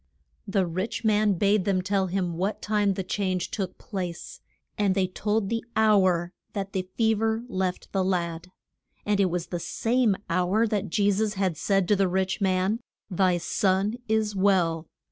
The rich man bade them tell him what time the change took place, and they told the hour that the fe ver left the lad. And it was the same hour that Je sus had said to the rich man, Thy son is well.